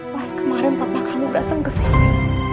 pas kemarin papa kamu datang ke sini